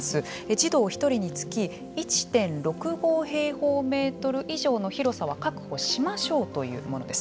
児童１人につき１．６５平方メートル以上の広さは確保しましょうというものです。